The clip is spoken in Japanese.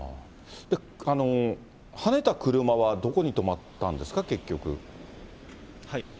はねた車はどこに止まったんですか、結局。